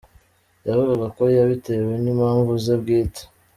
Yavugaga ko yabitewe n’impamvu ze bwite.